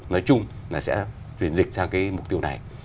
nói chung là sẽ truyền dịch sang mục tiêu này